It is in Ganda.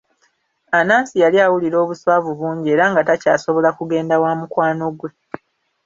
Anansi yali awulira obuswavu bungi era nga takyasobola kugenda wa mukwano gwe.